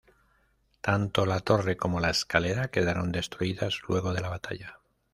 Tanto la Torre como la Escalera quedaron destruidas luego de la Batalla.